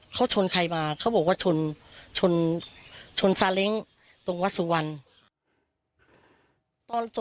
เขาชนใครมาเขาบอกว่าชนชนซาเล้งตรงวัดสุวรรณ